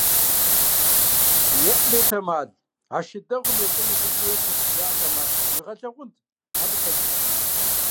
ЕӀ, бетэмал, а шы дэгъуэм екӀуну зы шууей тесыжатэмэ, уигъэлъагъунт абы лъэкӀыр!